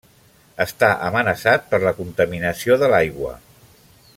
Està amenaçat per la contaminació de l'aigua.